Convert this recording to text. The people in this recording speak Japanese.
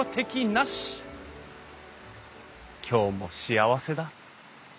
今日も幸せだ。